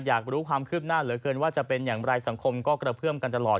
อยากรู้ความคืบหน้าเหลือเกินว่าจะเป็นอย่างไรสังคมก็กระเพื่อมกันตลอด